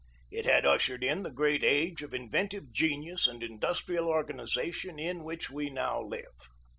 It had ushered in the great age of inventive genius and industrial organization in which we now live.